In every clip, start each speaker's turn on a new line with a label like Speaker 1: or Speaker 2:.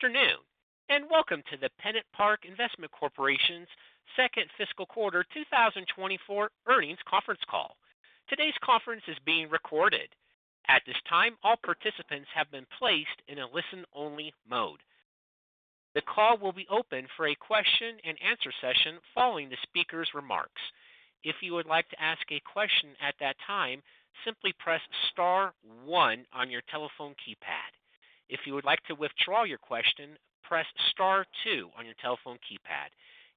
Speaker 1: Good afternoon, and welcome to the PennantPark Investment Corporation's second fiscal quarter 2024 earnings conference call. Today's conference is being recorded. At this time, all participants have been placed in a listen-only mode. The call will be open for a question-and-answer session following the speaker's remarks. If you would like to ask a question at that time, simply press star one on your telephone keypad. If you would like to withdraw your question, press star two on your telephone keypad.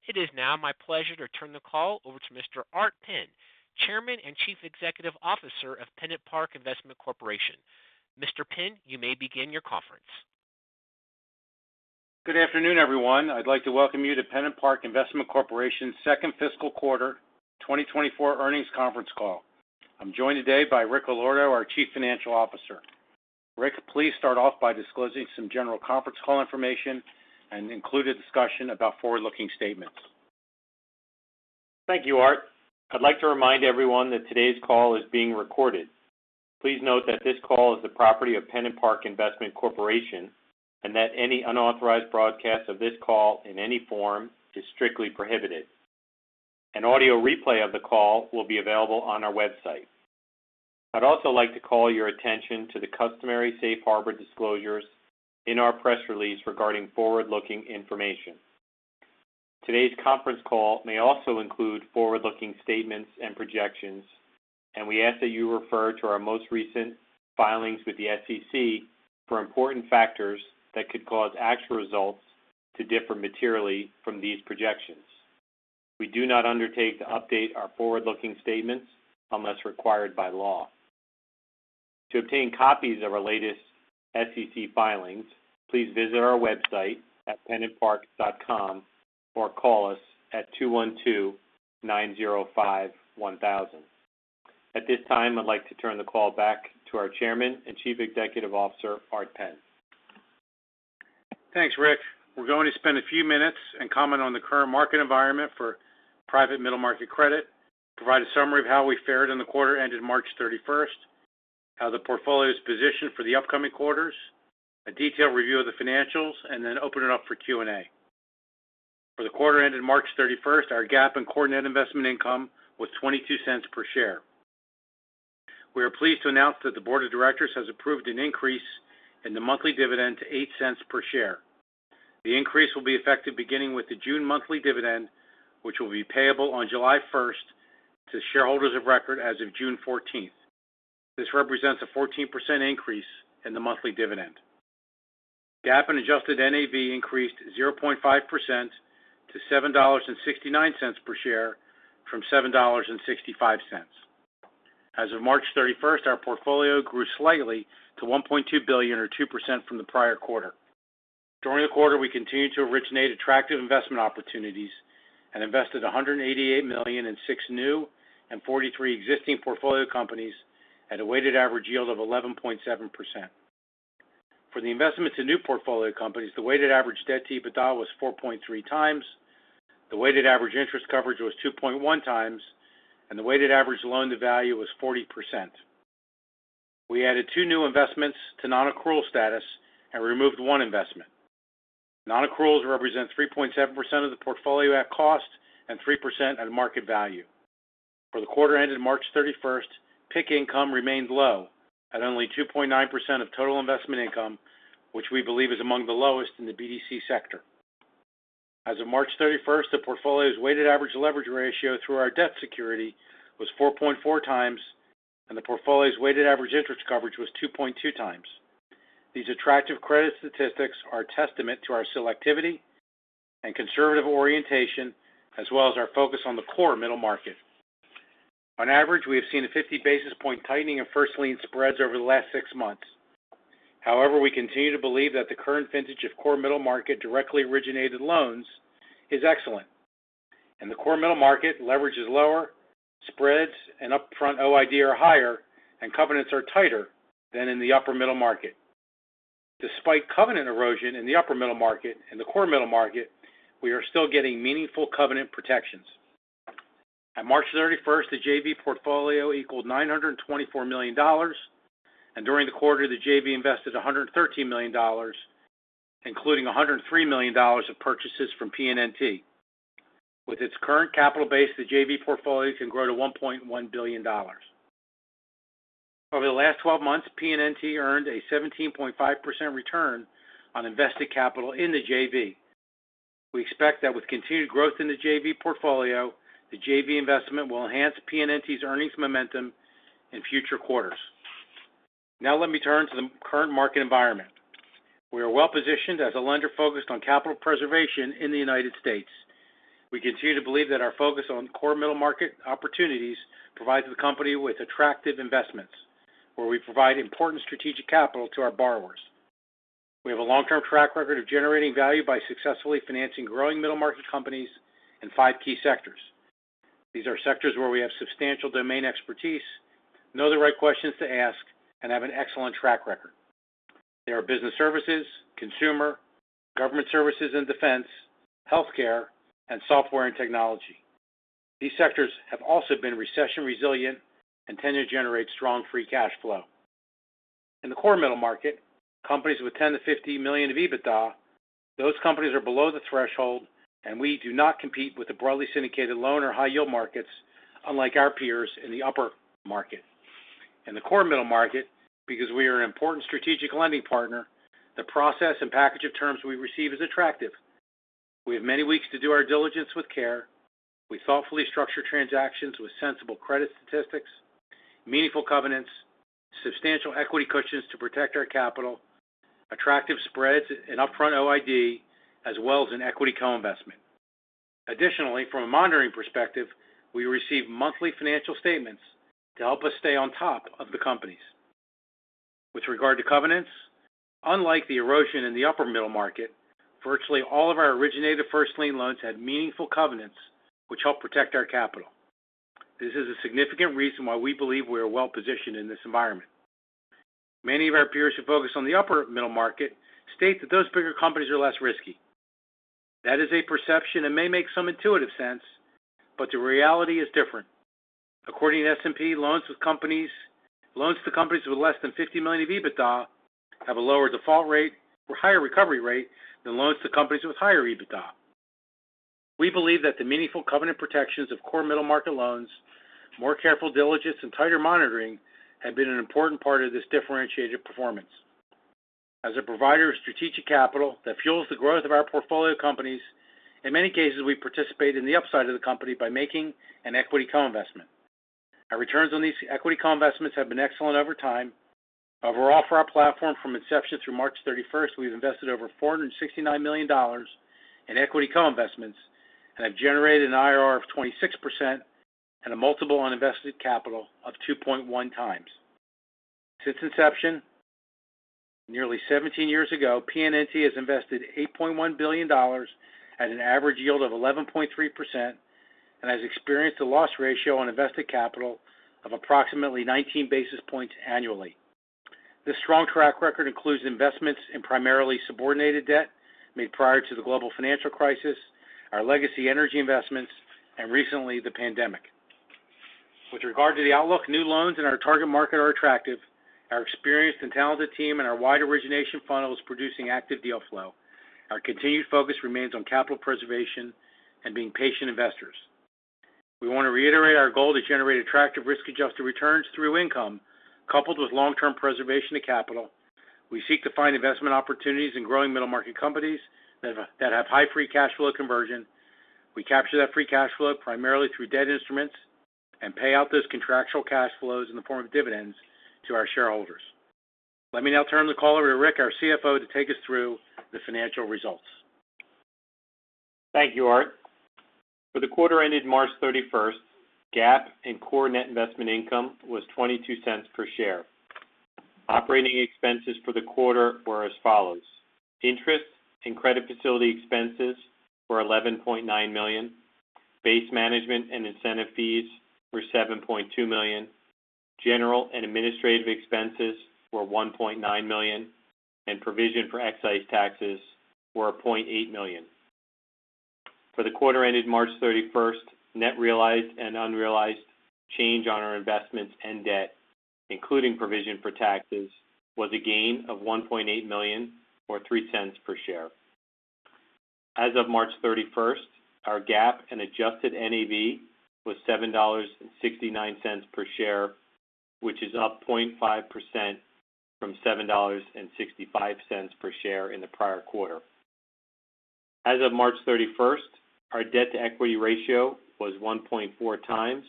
Speaker 1: It is now my pleasure to turn the call over to Mr. Art Penn, Chairman and Chief Executive Officer of PennantPark Investment Corporation. Mr. Penn, you may begin your conference.
Speaker 2: Good afternoon, everyone. I'd like to welcome you to PennantPark Investment Corporation's second fiscal quarter 2024 earnings conference call. I'm joined today by Rick Allorto, our Chief Financial Officer. Rick, please start off by disclosing some general conference call information and include a discussion about forward-looking statements.
Speaker 3: Thank you, Art. I'd like to remind everyone that today's call is being recorded. Please note that this call is the property of PennantPark Investment Corporation, and that any unauthorized broadcast of this call in any form is strictly prohibited. An audio replay of the call will be available on our website. I'd also like to call your attention to the customary safe harbor disclosures in our press release regarding forward-looking information. Today's conference call may also include forward-looking statements and projections, and we ask that you refer to our most recent filings with the SEC for important factors that could cause actual results to differ materially from these projections. We do not undertake to update our forward-looking statements unless required by law. To obtain copies of our latest SEC filings, please visit our website at pennantpark.com or call us at 212-905-1000. At this time, I'd like to turn the call back to our Chairman and Chief Executive Officer, Art Penn.
Speaker 2: Thanks, Rick. We're going to spend a few minutes and comment on the current market environment for private middle-market credit, provide a summary of how we fared in the quarter ended March 31st, how the portfolio is positioned for the upcoming quarters, a detailed review of the financials, and then open it up for Q&A. For the quarter ended March 31st, our GAAP and core net investment income was $0.22 per share. We are pleased to announce that the Board of Directors has approved an increase in the monthly dividend to $0.08 per share. The increase will be effective beginning with the June monthly dividend, which will be payable on July 1 to shareholders of record as of June 14th. This represents a 14% increase in the monthly dividend. GAAP and adjusted NAV increased 0.5% to $7.69 per share from $7.65. As of March 31st, our portfolio grew slightly to $1.2 billion or 2% from the prior quarter. During the quarter, we continued to originate attractive investment opportunities and invested $188 million in six new and 43 existing portfolio companies at a weighted average yield of 11.7%. For the investment to new portfolio companies, the weighted average debt-to-EBITDA was 4.3x, the weighted average interest coverage was 2.1x, and the weighted average loan-to-value was 40%. We added two new investments to non-accrual status and removed one investment. Non-accruals represent 3.7% of the portfolio at cost and 3% at market value. For the quarter ended March 31st, PIK income remained low at only 2.9% of total investment income, which we believe is among the lowest in the BDC sector. As of March 31st, the portfolio's weighted average leverage ratio through our debt security was 4.4x, and the portfolio's weighted average interest coverage was 2.2x. These attractive credit statistics are a testament to our selectivity and conservative orientation, as well as our focus on the core middle market. On average, we have seen a 50 basis point tightening of first lien spreads over the last sixmonths. However, we continue to believe that the current vintage of core middle market directly originated loans is excellent, and the core middle market leverage is lower, spreads and upfront OID are higher, and covenants are tighter than in the upper middle market. Despite covenant erosion in the upper middle market and the core middle market, we are still getting meaningful covenant protections. At March 31st, the JV portfolio equaled $924 million, and during the quarter, the JV invested $113 million, including $103 million of purchases from PNNT. With its current capital base, the JV portfolio can grow to $1.1 billion. Over the last 12 months, PNNT earned a 17.5% return on invested capital in the JV. We expect that with continued growth in the JV portfolio, the JV investment will enhance PNNT's earnings momentum in future quarters. Now let me turn to the current market environment. We are well-positioned as a lender focused on capital preservation in the United States. We continue to believe that our focus on core middle-market opportunities provides the company with attractive investments, where we provide important strategic capital to our borrowers. We have a long-term track record of generating value by successfully financing growing middle-market companies in five key sectors. These are sectors where we have substantial domain expertise, know the right questions to ask, and have an excellent track record. They are Business Services, Consumer, Government Services and Defense, Healthcare, and Software & Technology. These sectors have also been recession resilient and tend to generate strong free cash flow. In the core middle market, companies with $10 million-$50 million of EBITDA, those companies are below the threshold, and we do not compete with the broadly syndicated loan or high-yield markets, unlike our peers in the upper market. In the core middle market, because we are an important strategic lending partner, the process and package of terms we receive is attractive. We have many weeks to do our diligence with care. We thoughtfully structure transactions with sensible credit statistics, meaningful covenants, substantial equity cushions to protect our capital, attractive spreads and upfront OID, as well as an equity co-investment. Additionally, from a monitoring perspective, we receive monthly financial statements to help us stay on top of the companies. With regard to covenants, unlike the erosion in the upper middle market, virtually all of our originated first lien loans had meaningful covenants, which help protect our capital. This is a significant reason why we believe we are well-positioned in this environment. Many of our peers who focus on the upper middle market state that those bigger companies are less risky. That is a perception and may make some intuitive sense, but the reality is different. According to S&P, loans to companies with less than $50 million of EBITDA have a lower default rate or higher recovery rate than loans to companies with higher EBITDA. We believe that the meaningful covenant protections of core middle market loans, more careful diligence, and tighter monitoring have been an important part of this differentiated performance. As a provider of strategic capital that fuels the growth of our portfolio companies, in many cases, we participate in the upside of the company by making an equity co-investment. Our returns on these equity co-investments have been excellent over time. Overall, for our platform, from inception through March 31st, we've invested over $469 million in equity co-investments and have generated an IRR of 26% and a multiple on invested capital of 2.1x. Since inception, nearly 17 years ago, PNNT has invested $8.1 billion at an average yield of 11.3% and has experienced a loss ratio on invested capital of approximately 19 basis points annually. This strong track record includes investments in primarily subordinated debt made prior to the global financial crisis, our legacy energy investments, and recently, the pandemic. With regard to the outlook, new loans in our target market are attractive. Our experienced and talented team and our wide origination funnel is producing active deal flow. Our continued focus remains on capital preservation and being patient investors. We want to reiterate our goal to generate attractive, risk-adjusted returns through income, coupled with long-term preservation of capital. We seek to find investment opportunities in growing middle-market companies that have high free cash flow conversion. We capture that free cash flow primarily through debt instruments and pay out those contractual cash flows in the form of dividends to our shareholders. Let me now turn the call over to Rick, our CFO, to take us through the financial results.
Speaker 3: Thank you, Art. For the quarter ended March 31st, GAAP and core net investment income was $0.22 per share. Operating expenses for the quarter were as follows: interest and credit facility expenses were $11.9 million, base management and incentive fees were $7.2 million, general and administrative expenses were $1.9 million, and provision for excise taxes were $0.8 million. For the quarter ended March 31st, net realized and unrealized change on our investments and debt, including provision for taxes, was a gain of $1.8 million, or $0.03 per share. As of March 31st, our GAAP and adjusted NAV was $7.69 per share, which is up 0.5% from $7.65 per share in the prior quarter. As of March 31st, our debt-to-equity ratio was 1.4x,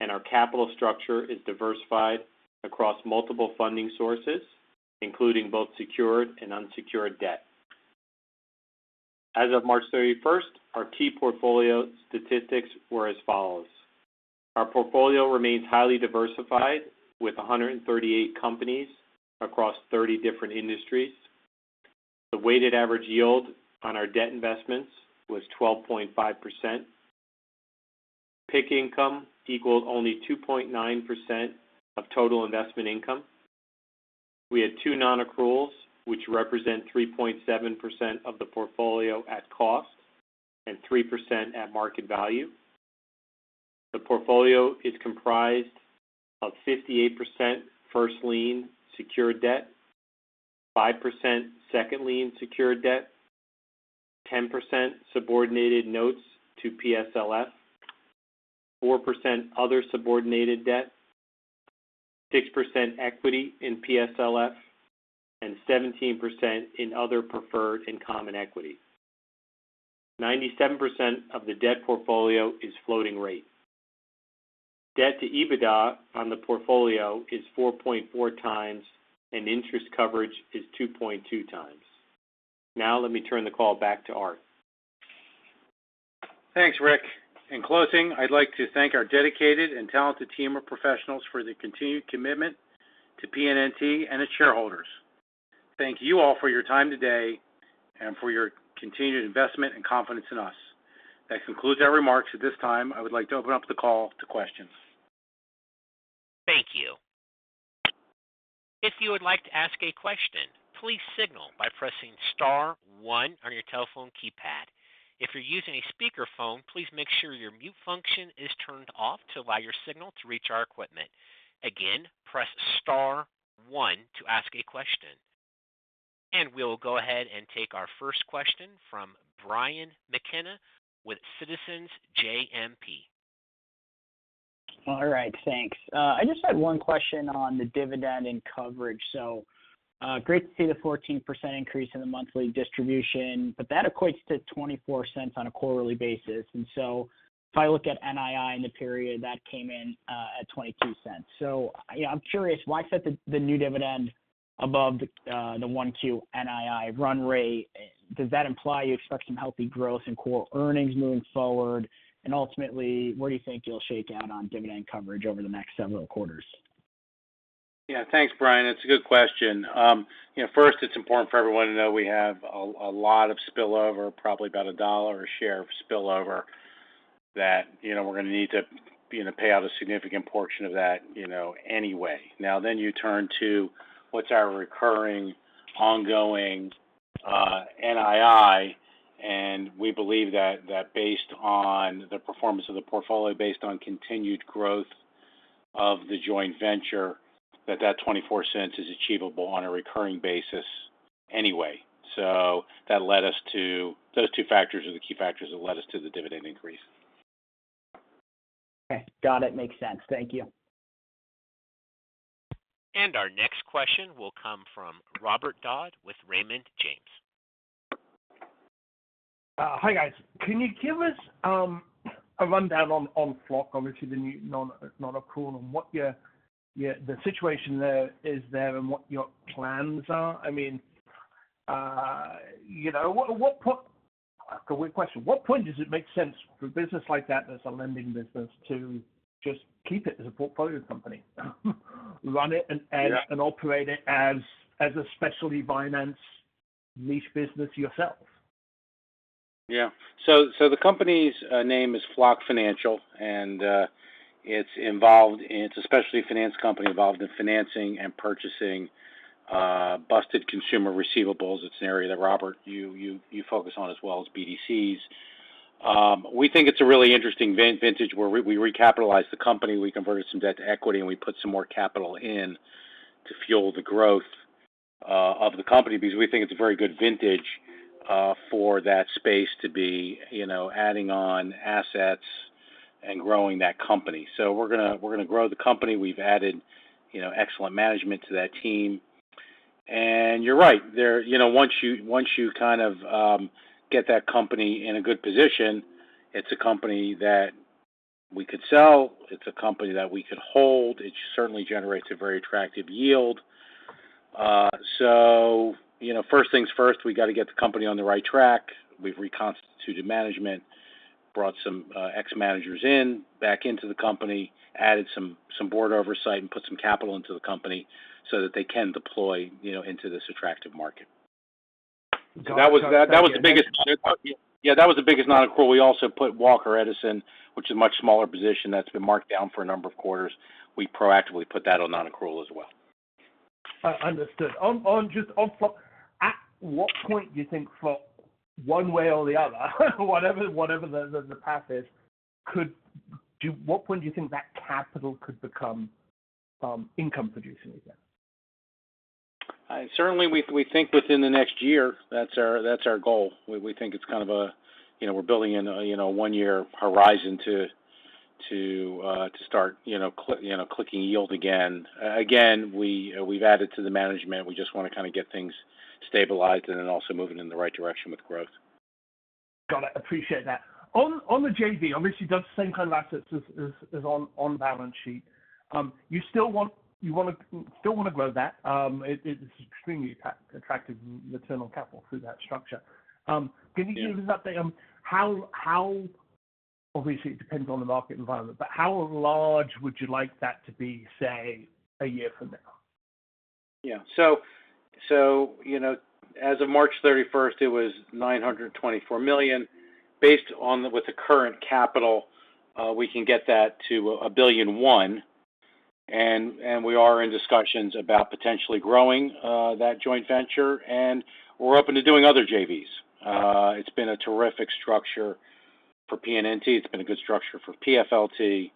Speaker 3: and our capital structure is diversified across multiple funding sources, including both secured and unsecured debt. As of March 31st, our key portfolio statistics were as follows: Our portfolio remains highly diversified, with 138 companies across 30 different industries. The weighted average yield on our debt investments was 12.5%. PIK income equaled only 2.9% of total investment income. We had two non-accruals, which represent 3.7% of the portfolio at cost and 3% at market value. The portfolio is comprised of 58% First Lien Secured Debt, 5% Second Lien Secured Debt, 10% Subordinated notes to PSLF, 4% other Subordinated Debt, 6% equity in PSLF, and 17% in other preferred and common equity. 97% of the debt portfolio is floating rate. Debt-to-EBITDA on the portfolio is 4.4x, and interest coverage is 2.2x. Now let me turn the call back to Art.
Speaker 2: Thanks, Rick. In closing, I'd like to thank our dedicated and talented team of professionals for their continued commitment to PNNT and its shareholders. Thank you all for your time today and for your continued investment and confidence in us. That concludes our remarks. At this time, I would like to open up the call to questions.
Speaker 1: Thank you. If you would like to ask a question, please signal by pressing star one on your telephone keypad. If you're using a speakerphone, please make sure your mute function is turned off to allow your signal to reach our equipment. Again, press star one to ask a question. And we'll go ahead and take our first question from Brian McKenna with Citizens JMP.
Speaker 4: All right, thanks. I just had one question on the dividend and coverage. So, great to see the 14% increase in the monthly distribution, but that equates to $0.24 on a quarterly basis. And so if I look at NII in the period, that came in at $0.22. So I'm curious, why set the new dividend above the the 1Q NII run rate? Does that imply you expect some healthy growth in core earnings moving forward? And ultimately, where do you think you'll shake out on dividend coverage over the next several quarters?
Speaker 2: Yeah, thanks, Brian. It's a good question. You know, first, it's important for everyone to know we have a lot of spillover, probably about $1 a share of spillover, that, you know, we're gonna need to, you know, pay out a significant portion of that, you know, anyway. Now, then you turn to what's our recurring, ongoing NII, and we believe that, that based on the performance of the portfolio, based on continued growth of the joint venture, that that $0.24 is achievable on a recurring basis anyway. So that led us to. Those two factors are the key factors that led us to the dividend increase.
Speaker 4: Okay. Got it. Makes sense. Thank you.
Speaker 1: Our next question will come from Robert Dodd with Raymond James.
Speaker 5: Hi, guys. Can you give us a rundown on Flock, obviously the new non-accrual, and what the situation there is and what your plans are? I mean, you know, what point—a weird question. What point does it make sense for a business like that, that's a lending business, to just keep it as a portfolio company? Run it and operate it as a specialty finance niche business yourself.
Speaker 2: Yeah. So, so the company's name is Flock Financial, and it's involved in—it's a specialty finance company involved in financing and purchasing busted consumer receivables. It's an area that, Robert, you focus on as well as BDCs. We think it's a really interesting vintage where we recapitalized the company, we converted some debt-to-equity, and we put some more capital in to fuel the growth of the company, because we think it's a very good vintage for that space to be, you know, adding on assets and growing that company. So we're gonna grow the company. We've added, you know, excellent management to that team. And you're right, there, you know, once you kind of get that company in a good position, it's a company that we could sell. It's a company that we could hold. It certainly generates a very attractive yield. So you know, first things first, we got to get the company on the right track. We've reconstituted management, brought some ex-managers in, back into the company, added some Board oversight, and put some capital into the company so that they can deploy, you know, into this attractive market. So that was the, that was the biggest... Yeah, that was the biggest non-accrual. We also put Walker Edison, which is a much smaller position that's been marked down for a number of quarters. We proactively put that on non-accrual as well.
Speaker 5: Understood. On just Flock, at what point do you think Flock, one way or the other, whatever the path is, what point do you think that capital could become income producing again?
Speaker 2: Certainly, we think within the next year. That's our goal. We think it's kind of a, you know, we're building in a, you know, one-year horizon to start, you know, clicking yield again. Again, we've added to the management. We just want to kind of get things stabilized and then also moving in the right direction with growth.
Speaker 5: Got it. Appreciate that. On the JV, obviously, does the same kind of assets as on balance sheet. You still want to grow that? It's extremely attractive internal capital through that structure. Can you give us an update on how... Obviously, it depends on the market environment, but how large would you like that to be, say, a year from now?
Speaker 2: Yeah. So, you know, as of March 31st, it was $924 million. Based on the, with the current capital, we can get that to $1.1 billion, and we are in discussions about potentially growing that joint venture, and we're open to doing other JVs. It's been a terrific structure for PNNT. It's been a good structure for PFLT.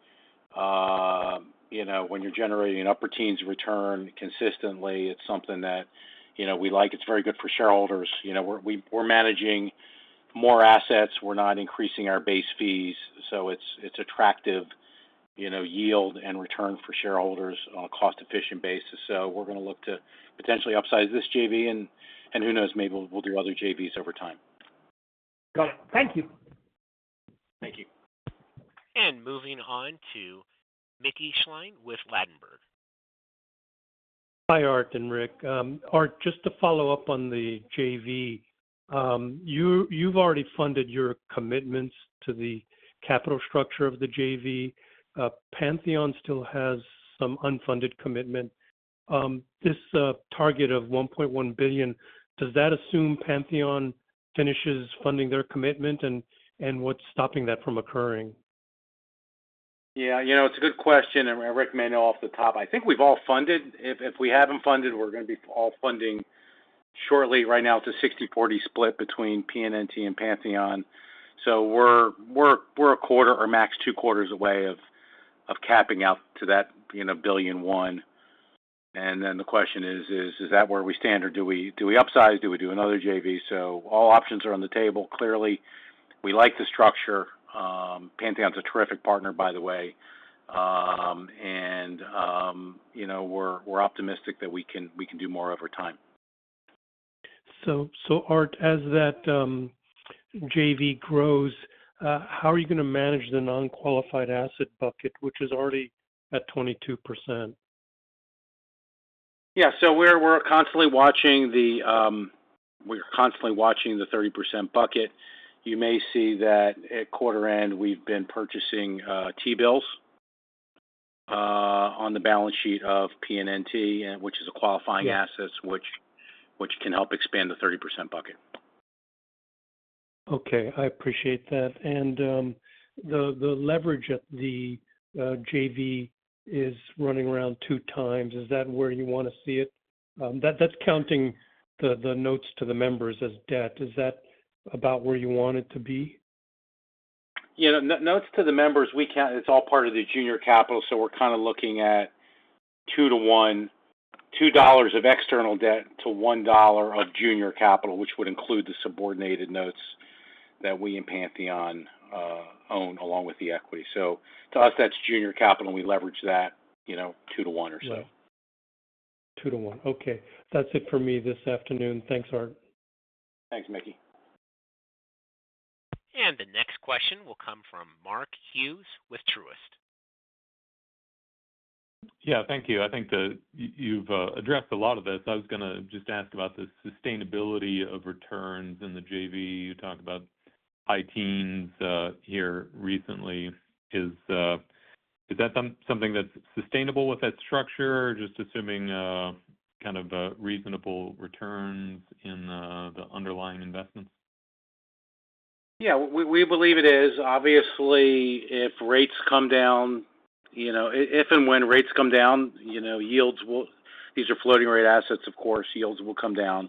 Speaker 2: You know, when you're generating an upper teens return consistently, it's something that, you know, we like. It's very good for shareholders. You know, we're, we, we're managing more assets. We're not increasing our base fees, so it's, it's attractive, you know, yield and return for shareholders on a cost-efficient basis. So we're gonna look to potentially upsize this JV, and who knows? Maybe we'll, we'll do other JVs over time.
Speaker 5: Got it. Thank you.
Speaker 2: Thank you.
Speaker 1: Moving on to Mickey Schleien with Ladenburg.
Speaker 6: Hi, Art and Rick. Art, just to follow up on the JV, you've already funded your commitments to the capital structure of the JV. Pantheon still has some unfunded commitment. This target of $1.1 billion, does that assume Pantheon finishes funding their commitment, and what's stopping that from occurring?
Speaker 2: Yeah, you know, it's a good question, and Rick may know off the top. I think we've all funded. If we haven't funded, we're gonna be all funding shortly. Right now, it's a 60/40 split between PNNT and Pantheon. So we're a quarter or max two quarters away from capping out to that $1.1 billion. And then the question is, is that where we stand, or do we upsize? Do we do another JV? So all options are on the table. Clearly, we like the structure. Pantheon is a terrific partner, by the way. And you know, we're optimistic that we can do more over time.
Speaker 6: So, Art, as that JV grows, how are you going to manage the non-qualified asset bucket, which is already at 22%?
Speaker 2: Yeah. So we're constantly watching the 30% bucket. You may see that at quarter end, we've been purchasing T-Bills on the balance sheet of PNNT, and which is a qualifying assets which can help expand the 30% bucket.
Speaker 6: Okay, I appreciate that. And, the leverage at the JV is running around 2x. Is that where you want to see it? That's counting the notes to the members as debt. Is that about where you want it to be?
Speaker 2: Yeah, notes to the members, we count it as all part of the junior capital, so we're kind of looking at 2:1, $2 of external debt to $1 of junior capital, which would include the subordinated notes that we and Pantheon own, along with the equity. So to us, that's junior capital, and we leverage that, you know, 2 to 1 or so.
Speaker 6: Right. 2:1. Okay, that's it for me this afternoon. Thanks, Art.
Speaker 2: Thanks, Mickey.
Speaker 1: The next question will come from Mark Hughes with Truist.
Speaker 7: Yeah, thank you. I think that you've addressed a lot of this. I was gonna just ask about the sustainability of returns in the JV. You talked about high teens here recently. Is that something that's sustainable with that structure, or just assuming kind of reasonable returns in the underlying investments?
Speaker 2: Yeah, we believe it is. Obviously, if rates come down, you know, if and when rates come down, you know, yields wil—These are floating-rate assets, of course, yields will come down.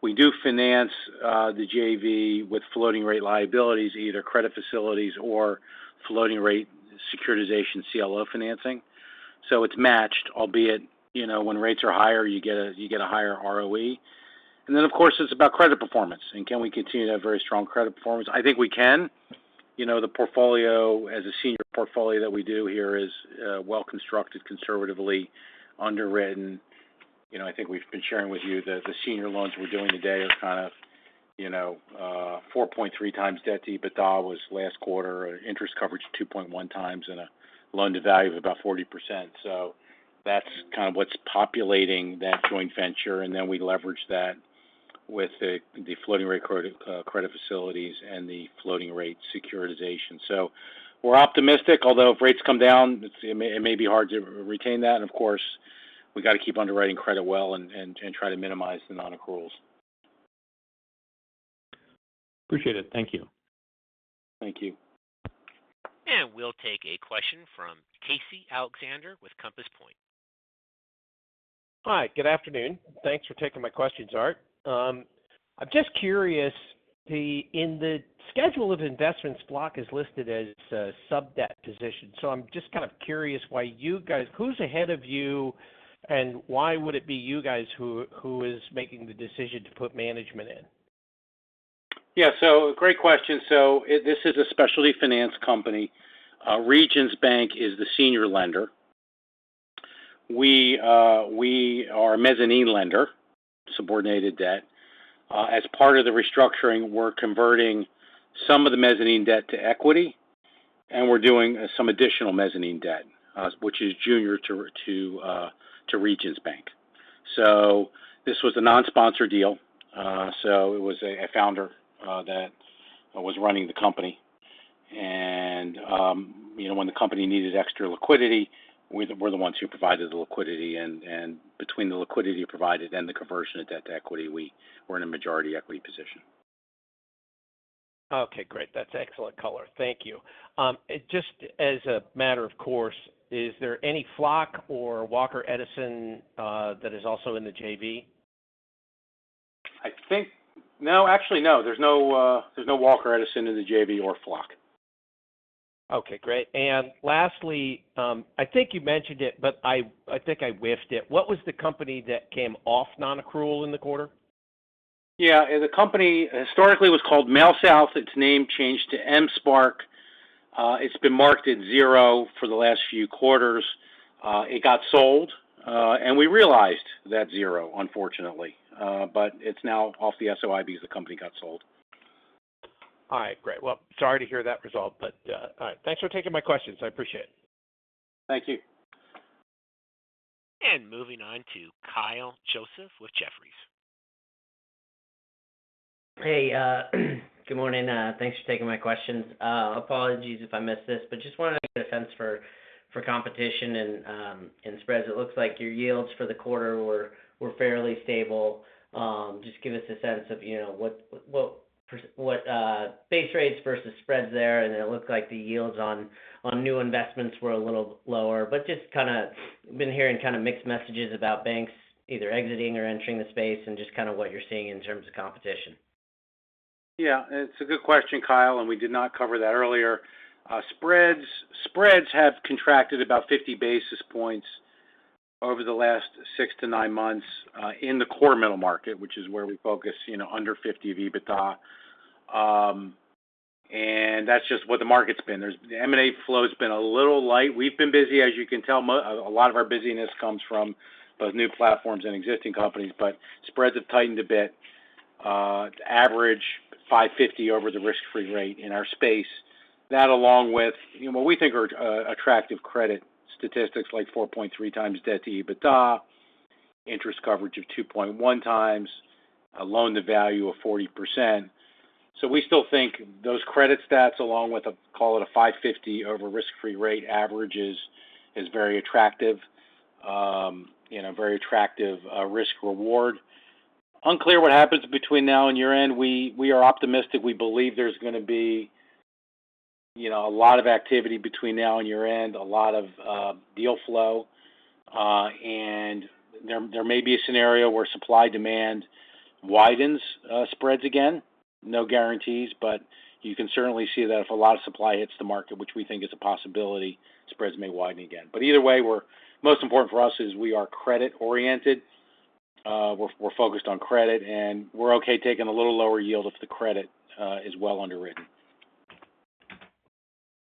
Speaker 2: We do finance the JV with floating-rate liabilities, either credit facilities or floating-rate securitization CLO financing. So it's matched, albeit, you know, when rates are higher, you get a higher ROE. And then, of course, it's about credit performance, and can we continue to have very strong credit performance? I think we can. You know, the portfolio, as a senior portfolio that we do here is well-constructed, conservatively underwritten. You know, I think we've been sharing with you the senior loans we're doing today are kind of, you know, 4.3x debt-to-EBITDA was last quarter, interest coverage 2.1x and a loan-to-value of about 40%. So that's kind of what's populating that joint venture, and then we leverage that with the floating-rate credit facilities and the floating-rate securitization. So we're optimistic, although if rates come down, it may be hard to retain that. And of course, we got to keep underwriting credit well and try to minimize the non-accruals.
Speaker 7: Appreciate it. Thank you.
Speaker 2: Thank you.
Speaker 1: We'll take a question from Casey Alexander with Compass Point.
Speaker 8: Hi, good afternoon. Thanks for taking my questions, Art. I'm just curious, in the schedule of investments, Flock is listed as a sub-debt position. So I'm just kind of curious why you guys, who's ahead of you, and why would it be you guys who is making the decision to put management in?
Speaker 2: Yeah, so great question. So this is a specialty finance company. Regions Bank is the senior lender. We are a mezzanine lender, subordinated debt. As part of the restructuring, we're converting some of the mezzanine debt-to-equity, and we're doing some additional mezzanine debt, which is junior to Regions Bank. So this was a non-sponsor deal. So it was a founder that was running the company. And, you know, when the company needed extra liquidity, we're the ones who provided the liquidity, and between the liquidity provided and the conversion of debt-to-equity, we're in a majority equity position.
Speaker 8: Okay, great. That's excellent color. Thank you. Just as a matter of course, is there any Flock or Walker Edison that is also in the JV?
Speaker 2: I think—No, actually, no. There's no, there's no Walker Edison in the JV or Flock.
Speaker 8: Okay, great. And lastly, I think you mentioned it, but I think I whiffed it. What was the company that came off non-accrual in the quarter?
Speaker 2: Yeah, the company historically was called MailSouth. Its name changed to Mspark. It's been marked at zero for the last few quarters. It got sold, and we realized that zero, unfortunately, but it's now off the SOI as the company got sold.
Speaker 8: All right, great. Well, sorry to hear that result, but, all right, thanks for taking my questions. I appreciate it.
Speaker 2: Thank you.
Speaker 1: Moving on to Kyle Joseph with Jefferies.
Speaker 9: Hey, good morning. Thanks for taking my questions. Apologies if I missed this, but just wanted to get a sense for competition and, and spreads. It looks like your yields for the quarter were fairly stable. Just give us a sense of, you know, what base rates versus spreads there, and it looked like the yields on new investments were a little lower. But just kinda been hearing kinda mixed messages about banks either exiting or entering the space and just kinda what you're seeing in terms of competition.
Speaker 2: Yeah, it's a good question, Kyle, and we did not cover that earlier. Spreads have contracted about 50 basis points over the last six to nine months in the core middle market, which is where we focus, you know, under 50 of EBITDA. And that's just what the market's been. M&A flow's been a little light. We've been busy, as you can tell, a lot of our busyness comes from both new platforms and existing companies, but spreads have tightened a bit, average 550 over the risk-free rate in our space. That, along with, you know, what we think are attractive credit statistics, like 4.3x debt-to-EBITDA, interest coverage of 2.1x, a loan-to-value of 40%. So we still think those credit stats, along with a, call it a 550 over risk-free rate averages, is very attractive, you know, very attractive, risk reward. Unclear what happens between now and year-end. We are optimistic. We believe there's gonna be, you know, a lot of activity between now and year-end, a lot of deal flow. And there may be a scenario where supply-demand widens, spreads again. No guarantees, but you can certainly see that if a lot of supply hits the market, which we think is a possibility, spreads may widen again. But either way, we're—Most important for us is we are credit-oriented. We're focused on credit, and we're okay taking a little lower yield if the credit is well underwritten.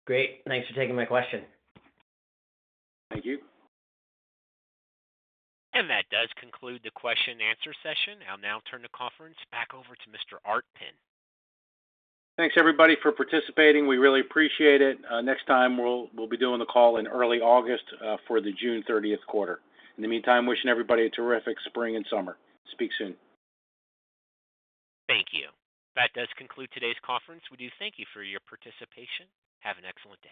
Speaker 9: Great. Thanks for taking my question.
Speaker 2: Thank you.
Speaker 1: That does conclude the question-and-answer session. I'll now turn the conference back over to Mr. Art Penn.
Speaker 2: Thanks, everybody, for participating. We really appreciate it. Next time, we'll be doing the call in early August for the June 30th quarter. In the meantime, wishing everybody a terrific spring and summer. Speak soon.
Speaker 1: Thank you. That does conclude today's conference. We do thank you for your participation. Have an excellent day.